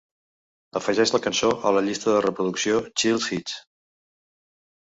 Afegeix la cançó a la llista de reproducció chill hits.